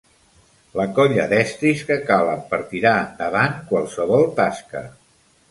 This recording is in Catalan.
La colla d'estris que calen per tirar endavant qualsevol tasca.